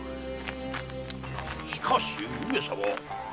しかし上様。